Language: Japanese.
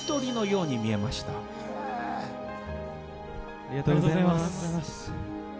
ありがとうございます。